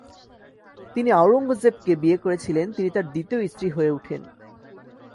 তিনি আওরঙ্গজেবকে বিয়ে করেছিলেন তিনি তার দ্বিতীয় স্ত্রী হয়ে উঠেন।